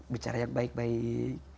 bicara yang baik baik